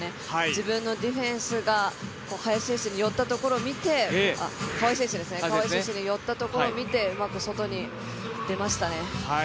自分のディフェンスが川井選手に寄ったところを見てうまく外に出ましたね。